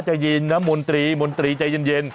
ใจเย็นนะมนตรีมนตรีใจเย็น